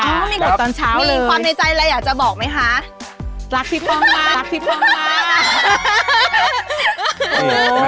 ก็มีกฎตอนเช้ามีความในใจอะไรอยากจะบอกไหมคะรักพี่ป้องมากรักพี่ป้องมาก